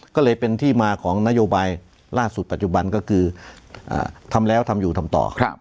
ก็เลยเป็นที่มาของนโยบายล่าสุดปัจจุบันก็คือทำแล้วทำอยู่ทำต่อ